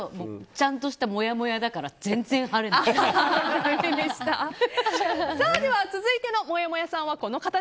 ちゃんとしたもやもやだからでは、続いてのもやもやさんは。